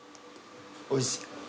おいしい？